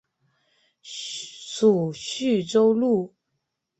属叙州路。